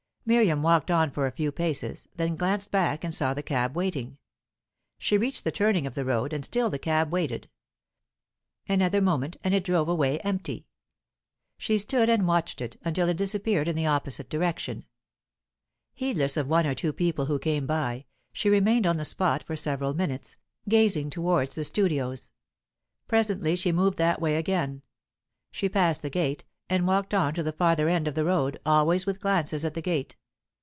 Miriam walked on for a few paces; then glanced back and saw the cab waiting. She reached the turning of the road, and still the cab waited, Another moment, and it drove away empty. She stood and watched it, until it disappeared in the opposite direction. Heedless of one or two people who came by, she remained on the spot for several minutes, gazing towards the studios. Presently she moved that way again. She passed the gate, and walked on to the farther end of the road, always with glances at the gate.